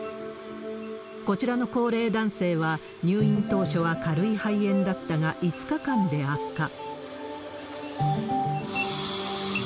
こちらの高齢男性は、入院当初は軽い肺炎だったが、５日間で悪化。